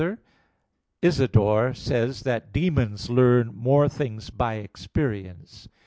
bono i, 10) says that "demons learn more things by experience."